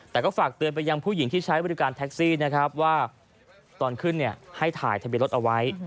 แต่ก็ฝากเตือนไปยังผู้หญิงที่ใช้บริการแท็กซี่นะครับว่าตอนขึ้นให้ถ่ายทะเบียนรถเอาไว้